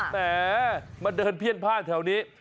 แหมมาเดินเพี้ยนผ้าแถวนี้